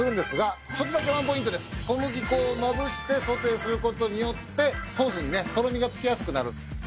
小麦粉をまぶしてソテーすることによってソースにねとろみがつきやすくなる。